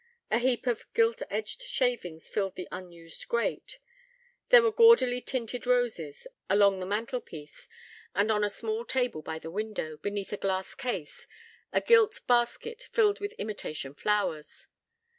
A heap of gilt edged shavings filled the unused grate: there were gaudily tinted roses along the mantelpiece, and, on a small table by the window, beneath a glass case, a gilt basket filled with imitation flowers.